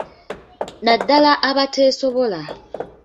Naddala abateesobola.